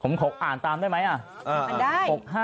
ผมขออ่านตามได้ไหม